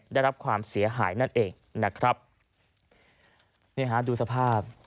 ได้รับความเสียหายนั่นเองนะครับนี่ฮะดูสภาพ